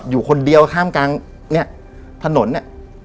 อยู่คนเดียวข้ามกลางถนนเนี่ย